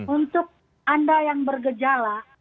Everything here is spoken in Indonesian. untuk anda yang bergejala